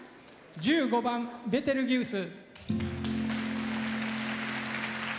１５番「ベテルギウス」。